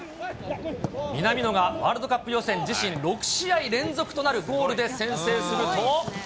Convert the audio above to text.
南野がワールドカップ予選、自身６試合連続となるゴールで先制すると。